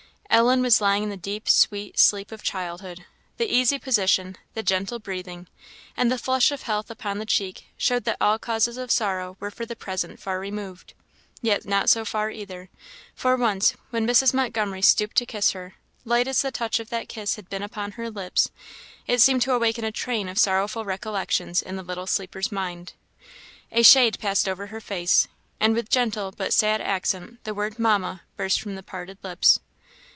Ellen was lying in the deep, sweet sleep of childhood; the easy position, the gentle breathing, and the flush of health upon the cheek, showed that all causes of sorrow were for the present far removed. Yet not so far either; for once, when Mrs. Montgomery stooped to kiss her, light as the touch of that kiss had been upon her lips, it seemed to awaken a train of sorrowful recollections in the little sleeper's mind. A shade passed over her face, and with gentle but sad accent the word "Mamma!" burst from the parted lips.